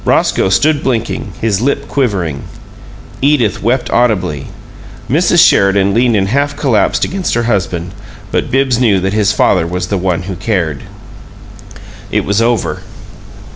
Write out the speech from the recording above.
Roscoe stood blinking, his lip quivering; Edith wept audibly; Mrs. Sheridan leaned in half collapse against her husband; but Bibbs knew that his father was the one who cared. It was over.